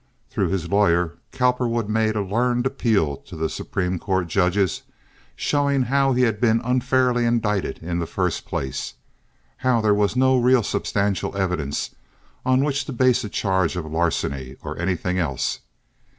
Through his lawyer, Cowperwood made a learned appeal to the Supreme Court judges, showing how he had been unfairly indicted in the first place, how there was no real substantial evidence on which to base a charge of larceny or anything else.